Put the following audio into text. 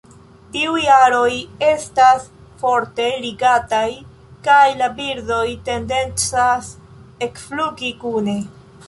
Tiuj aroj estas forte ligataj kaj la birdoj tendencas ekflugi kune.